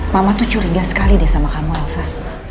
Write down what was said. mama tuh curiga sekali deh sama kamu elsa